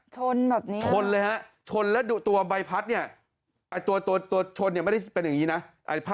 ชนแบบนี้ชนเลยฮะชนแล้วตัวใบพัดเนี่ยตัวชนเนี่ยไม่ได้เป็นอย่างนี้นะ